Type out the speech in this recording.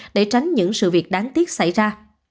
để tránh những sự việc đáng tiếc xảy ra